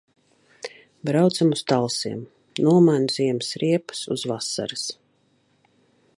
Braucam uz Talsiem. Nomainu ziemas riepas uz vasaras.